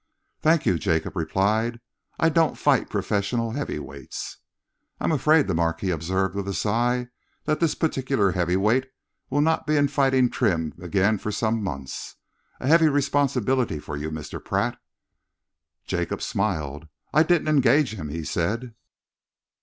"Thank you," Jacob replied, "I don't fight professional heavyweights." "I am afraid," the Marquis observed with a sigh, "that this particular heavyweight will not be in fighting trim again for some months. A heavy responsibility for you, Mr. Pratt." Jacob smiled. "I didn't engage him," he said.